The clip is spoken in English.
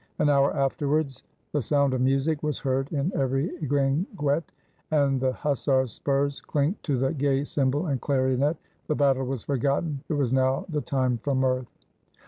An hour afterwards, the sound of music was heard in every guinguette, and the hussars' spurs clinked to the gay cymbal and clarionet. The battle was forgotten; it was now the time for mirth.